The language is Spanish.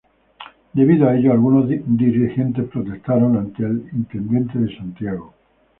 Debido a ello, algunos dirigentes protestaron ante el Intendente de Santiago.